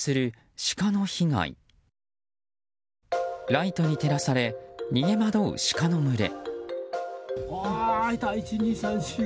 ライトに照らされ逃げ惑うシカの群れ。